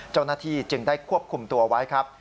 เจ้าหน้าที่จึงได้ควบคุมตัวไว้ครับ